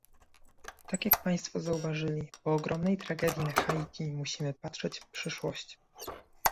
Tak jak państwo zauważyli, po ogromnej tragedii na Haiti musimy patrzeć w przyszłość